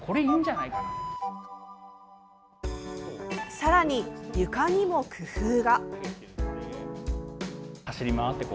さらに、床にも工夫が。